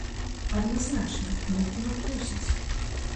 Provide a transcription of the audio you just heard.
Адназначна, нехта нам хлусіць!